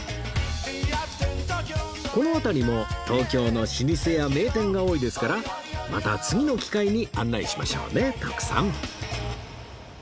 この辺りも東京の老舗や名店が多いですからまた次の機会に案内しましょうね徳さん